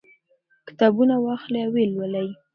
کتابونه واخلئ او ویې لولئ.